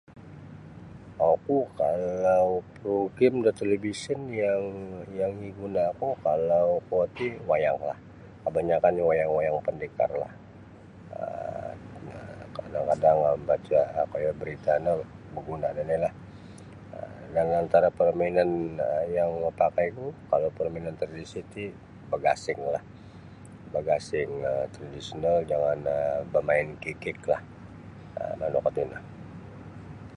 Oku kaalau progrim da televisyen yang igunaku kalau kuo ti wayanglah kebanyakannyo wayang-wayang pendekarlah um kadang-kadang baca koyo barita no baguna ninilah yang antara permainan yang mapakaiku kalau permainan tradisi ti bagasinglah bagasing tradisional dan bermain kikiklah um ino no kuo tino.